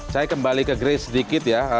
saya kembali ke grace sedikit ya